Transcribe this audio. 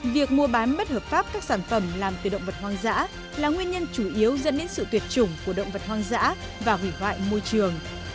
việc mua bán bất hợp pháp các sản phẩm làm từ động vật hoang dã là nguyên nhân chủ yếu dẫn đến sự tuyệt chủng của động vật hoang dã và hủy hoại môi trường